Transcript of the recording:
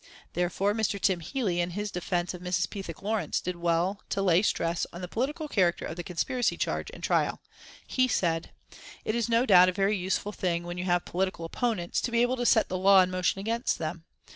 Therefore, Mr. Tim Healey, in his defence of Mrs. Pethick Lawrence, did well to lay stress on the political character of the conspiracy charge and trial. He said: "It is no doubt a very useful thing when you have political opponents to be able to set the law in motion against them.